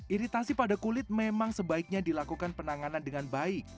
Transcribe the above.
iritasi pada kulit memang sebaiknya dilakukan penanganan dengan baik